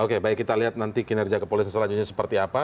oke baik kita lihat nanti kinerja kepolisian selanjutnya seperti apa